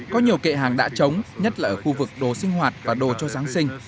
có nhiều kệ hàng đã chống nhất là ở khu vực đồ sinh hoạt và đồ cho giáng sinh